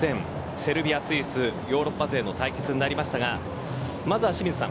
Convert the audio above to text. セルビア、スイスヨーロッパ勢の対決となりましたがまずは清水さん